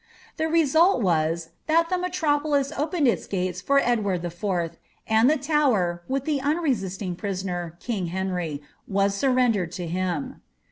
'^' The result was, thai the metropolis opened its gates for Edward IV., and the Tower, with the unresisting prisoner, king Henry, was surrendered to him.